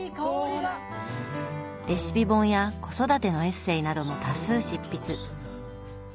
レシピ本や子育てのエッセーなども多数執筆。